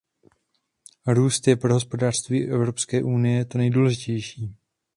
Růst je pro hospodářství Evropské unie to nejdůležitější.